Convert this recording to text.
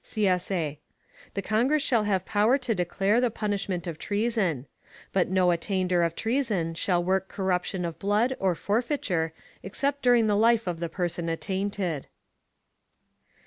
[CSA] The Congress shall have power to declare the punishment of treason; but no attainder of treason shall work corruption of blood, or forfeiture, except during the life of the person attainted.